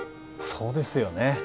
そうですよね